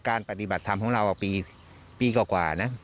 ปฏิบัติธรรมของเราปีกว่านะ